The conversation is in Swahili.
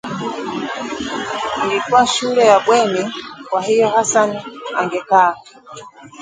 Ilikuwa shule ya bweni kwa hivyo Hassan angekaa